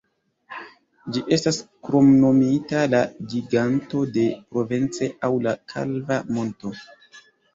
Ĝi estas kromnomita la Giganto de Provence aŭ la kalva monto.